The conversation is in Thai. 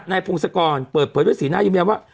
ในพงศกรเปิดเผยด้วยศรีนายุเมียว่า